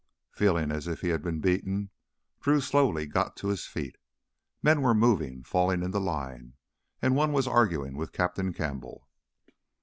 Feeling as if he had been beaten, Drew slowly got to his feet. Men were moving, falling into line. And one was arguing with Captain Campbell.